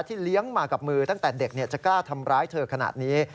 เลี้ยงมากับมือตั้งแต่เด็กจะกล้าทำร้ายเธอขนาดนี้